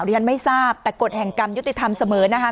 หรืออย่างนั้นไม่ทราบแต่กฎแห่งกรรมยุติธรรมเสมอนะคะ